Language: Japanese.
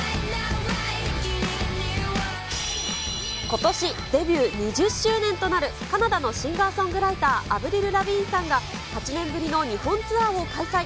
ことし、デビュー２０周年となるカナダのシンガーソングライター、アヴリル・ラヴィーンさんが８年ぶりの日本ツアーを開催。